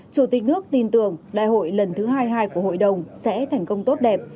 chủ tịch nước tin tưởng đại hội lần thứ hai mươi hai của hội đồng sẽ thành công tốt đẹp